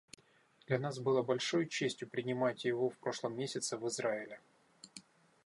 Для нас было большой честью принимать его в прошлом месяце в Израиле.